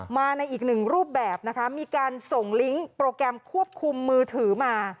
มาในอีกหนึ่งรูปแบบนะคะมีการส่งลิงก์โปรแกรมควบคุมมือถือมา